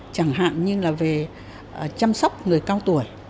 chẳng hạn như là về chăm sóc người cao tuổi